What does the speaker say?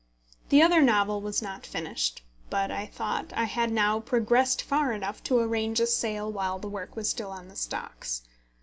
The other novel was not finished; but I thought I had now progressed far enough to arrange a sale while the work was still on the stocks.